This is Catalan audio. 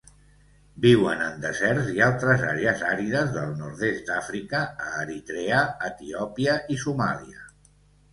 Viu en deserts i altres àrees àrides del nord-est d'Àfrica, a Eritrea, Etiòpia i Somàlia.